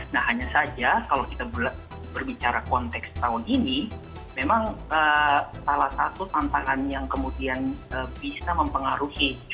nah hanya saja kalau kita berbicara konteks tahun ini memang salah satu tantangan yang kemudian bisa mempengaruhi